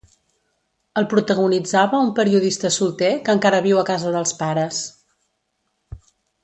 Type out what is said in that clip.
El protagonitzava un periodista solter que encara viu a casa dels pares.